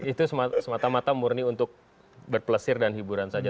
itu semata mata murni untuk berplesir dan hiburan saja